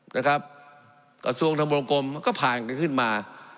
นะครับกระทรวงทำบรมกรมก็ผ่านไปขึ้นมา